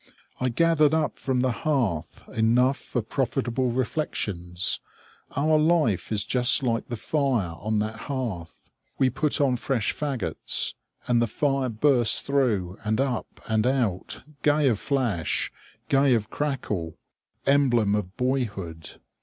I gathered up from the hearth enough for profitable reflections. Our life is just like the fire on that hearth. We put on fresh fagots, and the fire bursts through and up, and out, gay of flash, gay of crackle emblem of boyhood.